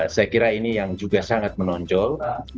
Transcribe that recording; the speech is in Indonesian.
saya kira ini yang juga sangat menonjol